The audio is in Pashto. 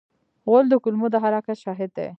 غول د کولمو د حرکاتو شاهد دی.